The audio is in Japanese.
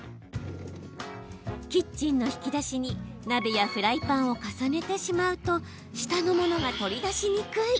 キッチンの引き出しに鍋やフライパンを重ねてしまうと下のものが取り出しにくい。